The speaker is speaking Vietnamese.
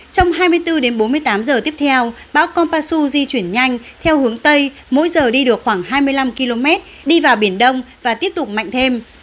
trong hai mươi bốn đến bốn mươi tám giờ tiếp theo bão conpasu di chuyển nhanh theo hướng tây mỗi giờ đi được khoảng hai mươi năm km đi vào biển đông và tiếp tục mạnh thêm